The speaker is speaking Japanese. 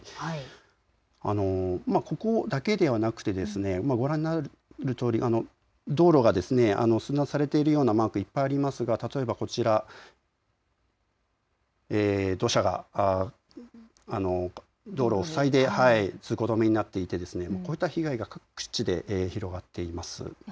ここだけではなくて道路が寸断されてるようなマーク、いっぱいありますが例えばこちら、土砂が道路を塞いで通行止めになっていてこういった被害が各地で広がっています。